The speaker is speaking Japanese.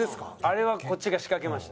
あれはこっちが仕掛けました。